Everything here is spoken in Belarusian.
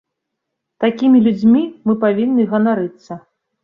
Такімі людзьмі мы павінны ганарыцца.